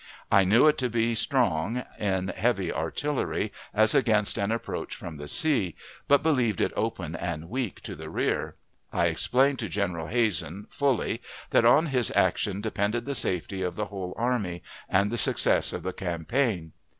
I knew it to be strong in heavy artillery, as against an approach from the sea, but believed it open and weak to the rear. I explained to General Hazen, fully, that on his action depended the safety of the whole army, and the success of the campaign.